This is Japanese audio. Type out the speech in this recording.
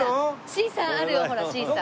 シーサーあるよほらシーサー。